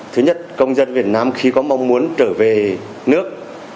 thứ nhất công dân việt nam khi có mong muốn trở về nước